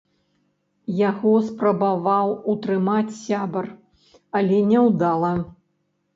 Яго спрабаваў утрымаць сябар, але няўдала.